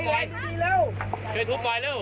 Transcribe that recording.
ช่วยทุบปล่อยเร็ว